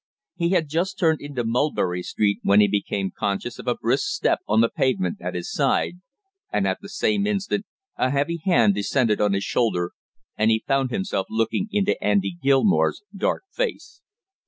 He had just turned into Mulberry Street when he became conscious of a brisk step on the pavement at his side, and at the same instant a heavy hand descended on his shoulder and he found himself looking into Andy Gilmore's dark face.